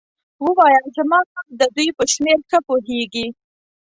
ووایه زما رب د دوی په شمیر ښه پوهیږي.